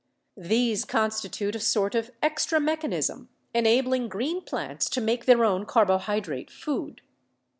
These con stitute a sort of extra mechanism, enabling green plants to make their own carbohydrate food.